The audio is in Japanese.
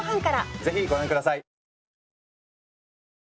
ぜひご覧下さい！